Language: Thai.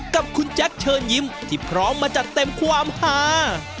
กับคุณแจ๊คเชิญยิ้มที่พร้อมมาจัดเต็มความหา